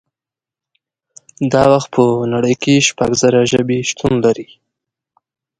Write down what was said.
دا وخت په نړۍ کې شپږ زره ژبې شتون لري